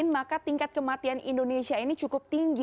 maka tingkat kematian indonesia ini cukup tinggi